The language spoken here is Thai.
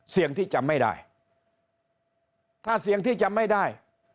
เสี่ยงที่จะไม่ได้ถ้าเสี่ยงที่จะไม่ได้